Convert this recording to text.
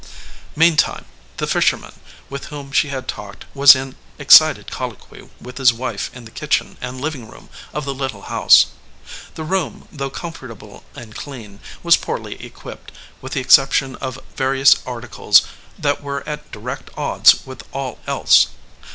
Meantime, the fisherman with whom she had talked was in excited colloquy with his wife in the kitchen and living room of the little house. The room, though comfortable and clean, was poorly equipped, with the exception of various articles that were at direct odds with all else.